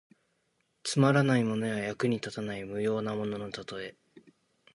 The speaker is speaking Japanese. つまらないものや、役に立たない無用なもののたとえ。